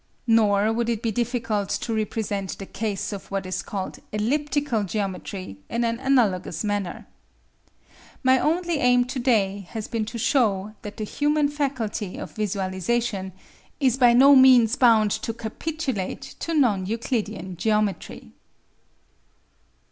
Nor would it be difficult to represent the case of what is called elliptical geometry in an analogous manner. My only aim to day has been to show that the human faculty of visualisation is by no means bound to capitulate to non Euclidean geometry.